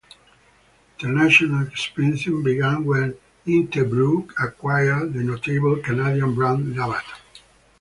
International expansion began when Interbrew acquired the notable Canadian brand Labatt.